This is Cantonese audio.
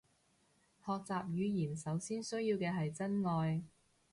學習語言首先需要嘅係真愛